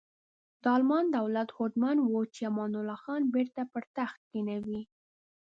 د المان دولت هوډمن و چې امان الله خان بیرته پر تخت کینوي.